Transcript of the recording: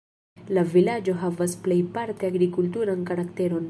La vilaĝo havas plejparte agrikulturan karakteron.